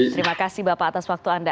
terima kasih bapak atas waktu anda